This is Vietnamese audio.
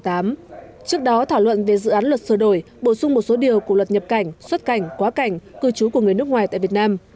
trước đó thảo luận về dự án luật sửa đổi bổ sung một số điều của luật nhập cảnh xuất cảnh quá cảnh cư trú của người nước ngoài tại việt nam